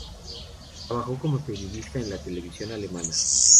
Trabajó como periodista en la televisión alemana.